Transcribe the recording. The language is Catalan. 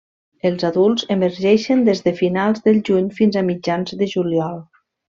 Els adults emergeixen des de finals del juny fins a mitjans del juliol.